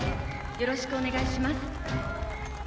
よろしくお願いします